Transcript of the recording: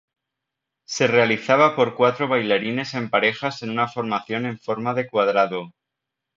Se realizaba por cuatro bailarines en parejas en una formación en forma de cuadrado.